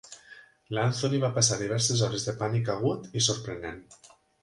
L'Anthony va passar diverses hores de pànic agut i sorprenent.